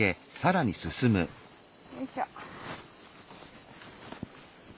よいしょ。